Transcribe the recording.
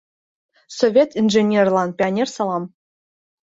Совет инженерлан пионер салам!